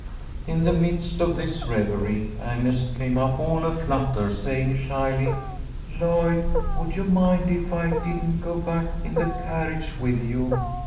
In the midst of this reverie, Agnes came up all a flutter, saying, shyly: "Lloyd, would you mind if I didn't go back in the carriage with you?